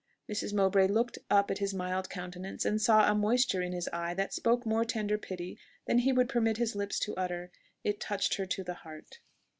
Mrs. Mowbray looked up at his mild countenance, and saw a moisture in his eye that spoke more tender pity than he would permit his lips to utter. It touched her to the heart.